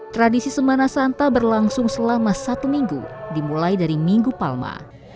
tradisi semana santa berlangsung selama satu minggu dimulai dari minggu palma